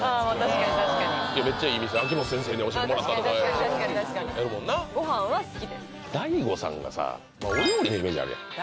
確かに確かにいやめっちゃいい店秋元先生に教えてもらったとか確かに確かに確かにご飯は好きですＤＡＩＧＯさんがさお料理のイメージあるやん